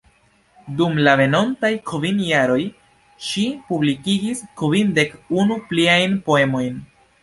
Dum la venontaj kvin jaroj ŝi publikigis kvindek-unu pliajn poemojn.